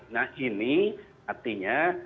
nah ini artinya